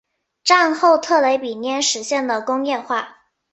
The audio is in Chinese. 战后特雷比涅实现了工业化。